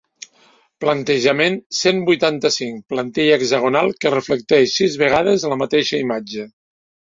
Plantejament cent vuitanta-cinc plantilla hexagonal que reflecteix sis vegades la mateixa imatge.